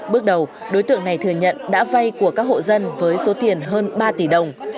bước đầu đối tượng này thừa nhận đã vay của các hộ dân với số tiền hơn ba tỷ đồng